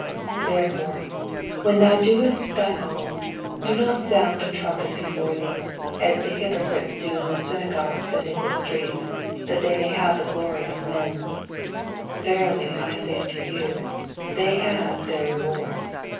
2 Therefore when thon doest thine alms, do not sound a trumpet before thee, as the hypocrites ao in the Bvnagogues andm the streets, that tney may have glory of men. Verily I say unto you, They have their reward.